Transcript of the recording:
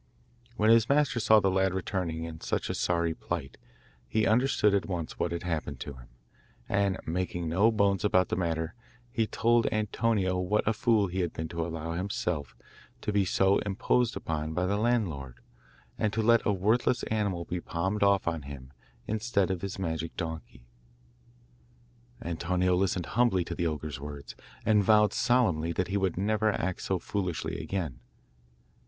When his master saw the lad returning in such a sorry plight, he understood at once what had happened to him, and making no bones about the matter, he told Antonio what a fool he had been to allow himself to be so imposed upon by the landlord, and to let a worthless animal be palmed off on him instead of his magic donkey. Antonio listened humbly to the ogre's words, and vowed solemnly that he would never act so foolishly again.